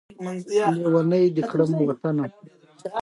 دا نابرابری هغه څه په پرتله کمه ده